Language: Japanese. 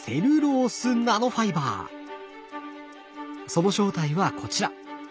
その正体はこちら。